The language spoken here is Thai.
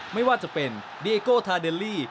ไม่ว่าจะเป็นดีเอโกทาเดลลี่